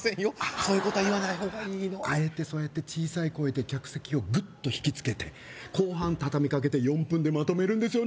そういうことは言わない方がいいのあえてそうやって小さい声で客席をグッと引きつけて後半たたみかけて４分でまとめるんですよね